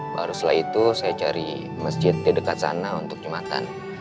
baru setelah itu saya cari masjid di dekat sana untuk jumatan